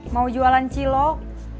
mau jualan cilok